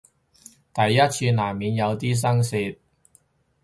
第一次難免有啲生澀